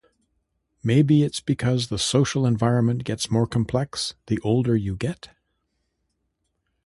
Maybe it's because the social environment gets more complex the older you get?